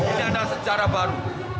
ini adalah sejarah baru